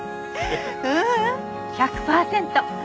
ううん１００パーセント。